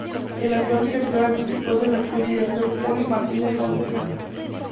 El actual director artístico es el actor y director Júlio Martín da Fonseca.